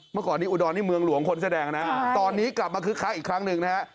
เมื่อก่อนนี้อุดอนเมืองหลวงนะตอนนี้กลับมาคิดคราวอีกครั้งหนึ่งนะครับ